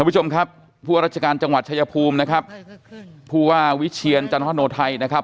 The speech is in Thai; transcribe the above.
ผู้ชมครับผู้ราชการจังหวัดชายภูมินะครับผู้ว่าวิเชียรจันทโนไทยนะครับ